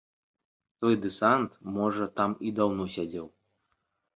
Той дэсант, можа, там і даўно сядзеў.